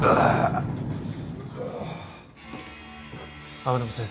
天沼先生